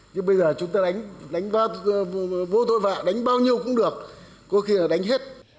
chứ bây giờ chúng ta đánh vô thôi vạ đánh bao nhiêu cũng được có khi là đánh hết